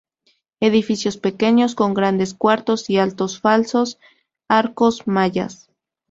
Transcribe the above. Edificios pequeños con grandes cuartos y altos falsos arcos mayas.